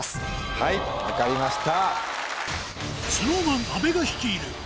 はい分かりました！